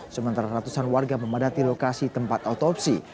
sementara ratusan warga memadati lokasi tempat otopsi